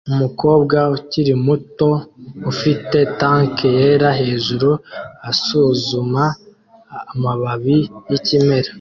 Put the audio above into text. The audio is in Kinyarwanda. Umukobwa ukiri muto ufite tank yera hejuru asuzuma amababi yikimera